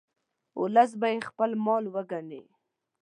ولس به یې خپل مال وګڼي.